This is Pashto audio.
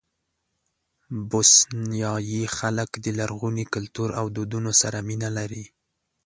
بوسنیایي خلک د لرغوني کلتور او دودونو سره مینه لري.